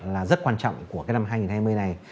là rất quan trọng của cái năm hai nghìn hai mươi này